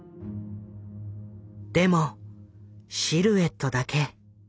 でもシルエットだけ。